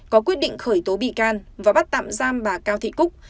có quyết định khởi tố bị can và bắt tạm giam bà cao thị cúc